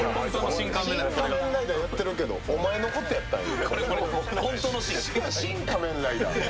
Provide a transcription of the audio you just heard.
「シン・仮面ライダー」やってるけど、お前のことやったんや。